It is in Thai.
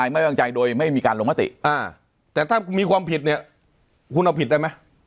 ไม่วางใจโดยไม่มีการลงมติแต่ถ้าคุณมีความผิดเนี่ยคุณเอาผิดได้ไหม